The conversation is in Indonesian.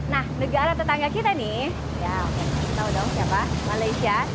nah negara tetangga kita nih ya tahu dong siapa malaysia